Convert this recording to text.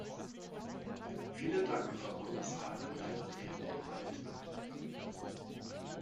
Vielen Dank, Frau Kommissarin Ferrero-Waldner!